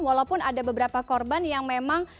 walaupun ada beberapa korban yang memang